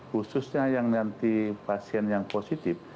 khususnya yang nanti pasien yang positif